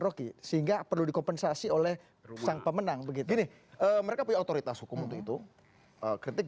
rocky sehingga perlu dikompensasi oleh sang pemenang begini mereka punya otoritas hukum untuk itu kritik